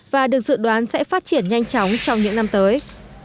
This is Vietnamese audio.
và được dự đoán sẽ phát triển nhanh chóng trong những năm tới